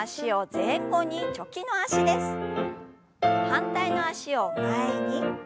反対の脚を前に。